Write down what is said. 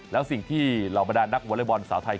แล้วสิ่งที่เหล่าบรรดานักวอเล็กบอลสาวไทย